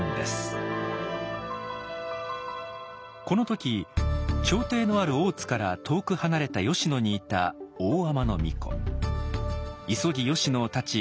この時朝廷のある大津から遠く離れた吉野にいた大海人皇子。